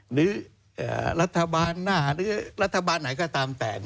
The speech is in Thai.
หรือรัฐบาลหน้าหรือรัฐบาลไหนก็ตามแต่